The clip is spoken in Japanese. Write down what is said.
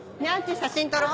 写真撮ろう。